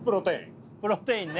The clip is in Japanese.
プロテインね